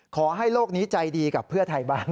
ขอให้โลกนี้ใจดีกับเพื่อไทยบ้าง